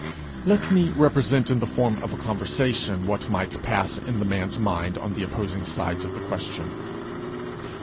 Let me represent in the form of a conversation what might pass in the man's mind on the opposing sides of the question.